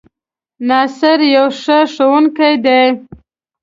ناصر يو ښۀ ښوونکی دی